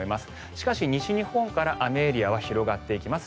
しかし、西日本から雨エリアは広がっていきます。